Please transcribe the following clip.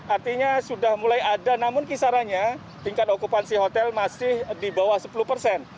artinya sudah mulai ada namun kisarannya tingkat okupansi hotel masih di bawah sepuluh persen